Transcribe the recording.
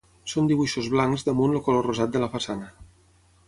Són dibuixos blancs damunt el color rosat de la façana.